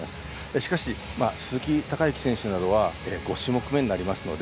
しかし、鈴木孝幸選手などは５種目めになりますので